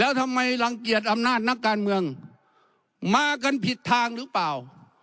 แล้วทำไมรังเกียจอำนาจนักการเมืองมากันผิดทางหรือเปล่า